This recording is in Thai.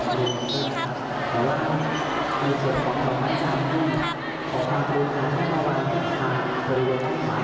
เป็นบินสุขคุณดีครับ